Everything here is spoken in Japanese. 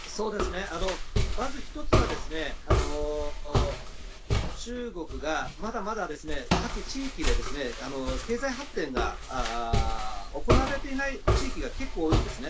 まず１つは中国がまだまだ各地域で経済発展が行われていない地域が結構多いんですね。